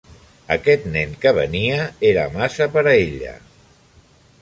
Aquest nen que venia era massa per a ella.